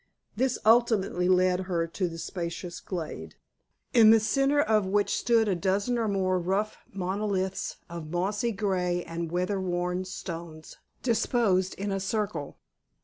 This ultimately led her to a spacious glade, in the centre of which stood a dozen or more rough monoliths of mossy gray and weather worn stones, disposed in a circle.